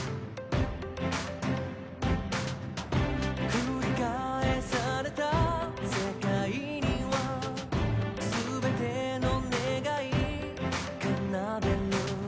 繰り返された世界には全ての願い奏でる